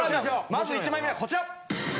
まず１枚目はこちら！